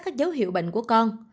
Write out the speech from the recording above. các dấu hiệu bệnh của con